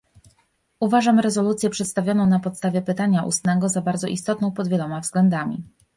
Uważam rezolucję przedstawioną na podstawie pytania ustnego za bardzo istotną pod wieloma względami